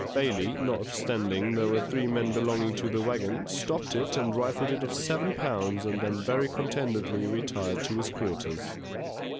Bailey, notwithstanding there were three men belonging to the waggon, stopped it, and rifled it of seven pounds, and then very contentedly retired to his quarters.